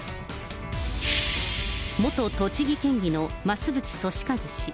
元栃木県議の増渕賢一氏。